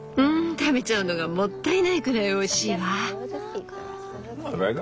食べちゃうのがもったいないくらいおいしいわ。